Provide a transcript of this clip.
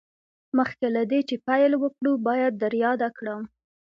مخکې له دې چې پیل وکړو باید در یاده کړم